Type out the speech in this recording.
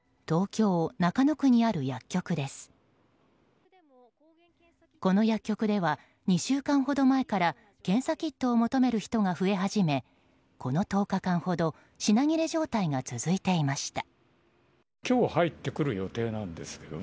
この薬局では２週間ほど前から検査キットを求める人が増え始め、この１０日間ほど品切れ状態が続いていました。